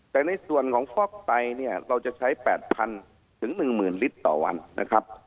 แต่ในส่วนของฟอกไตเนี่ยเราจะใช้๘๐๐๑๐๐ลิตรต่อวันนะครับ